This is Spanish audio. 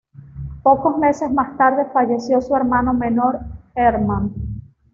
Pocos meses más tarde falleció su hermano menor Hermann.